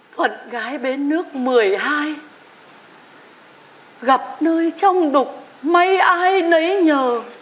thuận gái bến nước một mươi hai gặp nơi trong đục mấy ai nấy nhờ